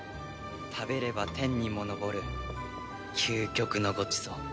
食べれば天にも昇る究極のごちそう。